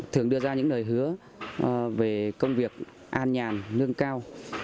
thường đưa ra những lời hứa về công việc an nhàn nâng cao